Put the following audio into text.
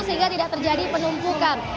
sehingga tidak terjadi penumpukan